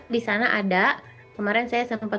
di sana ada kemarin saya sempat